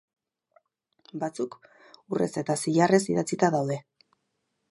Batzuk urrez eta zilarrez idatzita daude.